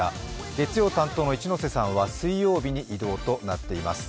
月曜担当の一ノ瀬さんは水曜日に移動となっています。